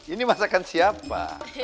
ini masakan siapa